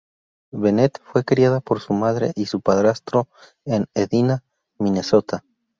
Bennett fue criada por su madre y su padrastro, en Edina, Minnesota.